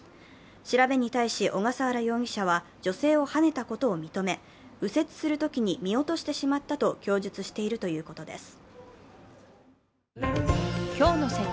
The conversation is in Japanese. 調べに対し小笠原容疑者は女性をはねたことを認め右折するときに見落としてしまったと供述しているということです。